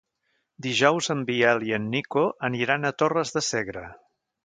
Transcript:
Dijous en Biel i en Nico aniran a Torres de Segre.